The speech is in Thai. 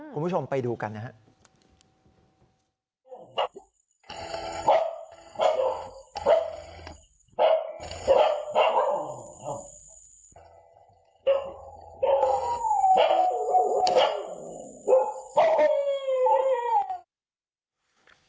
คุณผู้ชมไปดูกันนะครับ